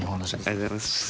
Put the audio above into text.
ありがとうございます。